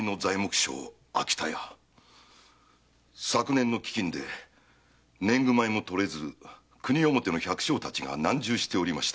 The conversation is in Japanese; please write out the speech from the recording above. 昨年の飢饉で年貢米も取れず国表の百姓達が難渋しておりました